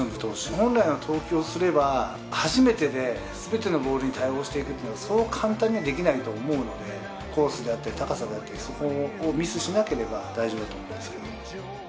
本来の投球をすれば全ての球種に対応するのはそう簡単にはできないと思うのでコースであったり高さであったりそこをミスしなければ大丈夫だと思いますけど。